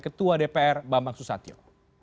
ketua dpr bambang susatyo